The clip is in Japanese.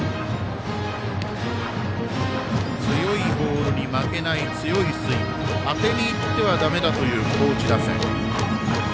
強いボールに負けない強いスイング、当てにいってはだめだという高知打線。